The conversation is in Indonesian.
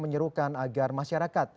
menyerukan agar masyarakat